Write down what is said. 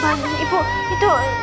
bang ibu itu